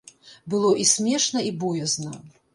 Было і смешна і боязна.